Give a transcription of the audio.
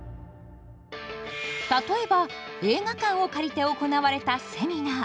例えば映画館を借りて行われたセミナー。